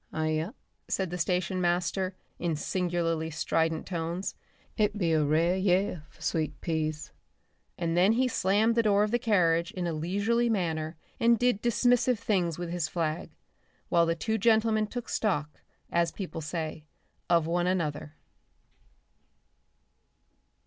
"Aye ya!" said the station master in singularly strident tones. "It be a rare year for sweet peas," and then he slammed the door of the carriage in a leisurely manner and did dismissive things with his flag, while the two gentlemen took stock, as people say, of one another.